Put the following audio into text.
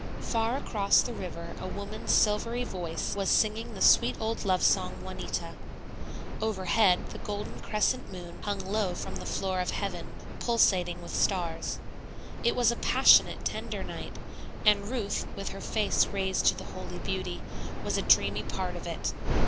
Far across the river a woman's silvery voice was singing the sweet old love song, "Juanita;" overhead, the golden crescent moon hung low from the floor of heaven pulsating with stars; it was a passionate, tender night, and Ruth, with her face raised to the holy beauty, was a dreamy part of it.